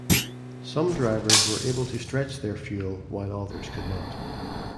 Some drivers were able to stretch their fuel while others could not.